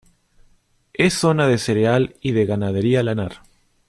Es zona de cereal y de ganadería lanar.